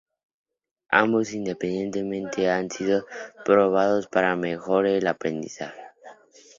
Ambos independientemente han sido probados para mejorar el aprendizaje.